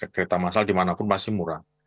kereta masal dimanapun masih murah